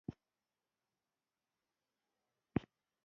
که ګاونډي ته څه پرېمانه وي، ترې زده کړه